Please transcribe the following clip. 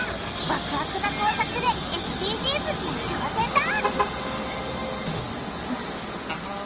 ワクワクな工作でＳＤＧｓにも挑戦だ！